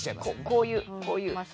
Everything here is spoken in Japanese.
こういうこういうまあ